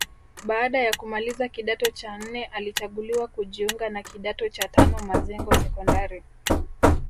Baada ya kumaliza kidato cha nne alichaguliwa kujiunga na kidato cha tano Mazengo Sekondari